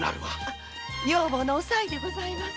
女房の“おさい”でございます。